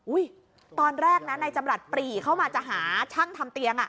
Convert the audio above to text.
อุ๊ยตอนแรกนั้นนายจำรัฐปรีเข้ามาจะหาช่างทำเตียง